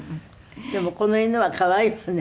でもこの犬は可愛いわね。